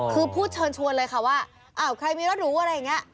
คือพูดเชิญชวนเลยค่ะว่าอ้าวใครมีรถหรูอะไรอย่างนี้